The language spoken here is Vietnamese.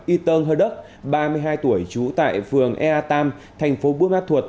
y tơn hơ đức ba mươi hai tuổi trú tại phường ea tam thành phố bú mát thuột